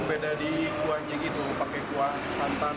membiarati daging manis dan model ruang tempatnya sedang tumbuh